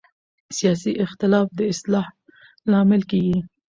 سیاسي اختلاف د اصلاح لامل کېږي